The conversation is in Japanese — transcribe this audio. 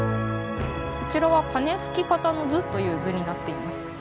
こちらは金吹方之図という図になっています。